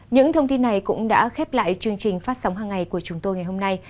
những thông tin này cũng đã khép lại chương trình phát sóng hàng ngày của chúng tôi ngày hôm nay